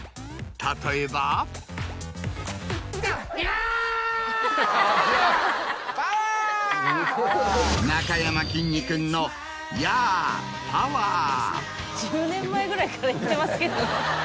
例えば。１０年前ぐらいから言っていますけどね。